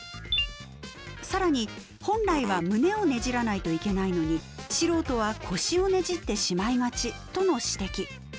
更に本来は胸をねじらないといけないのに素人は腰をねじってしまいがちとの指摘。